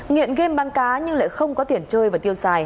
nghiện game bán cá nhưng lại không có tiền chơi và tiêu xài